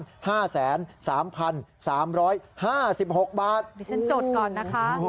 เดี๋ยวฉันจดก่อนนะคะ